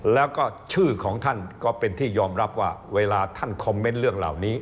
แล้วก็ชื่อของท่านก็เป็นที่ยอมรับว่าเวลาท่านคอมเมนต์เรื่องเหล่านี้